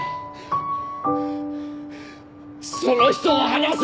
その人を放せ！